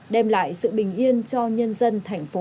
đem lại sự bình yên